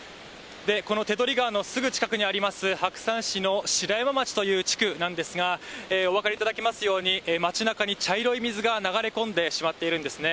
この手取川のすぐ近くにあります、白山市のしらやま町という地区なんですが、お分かりいただけますように、町なかに茶色い水が流れ込んでしまっているんですね。